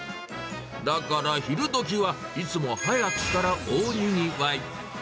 だから、昼どきは、いつも早くから大にぎわい。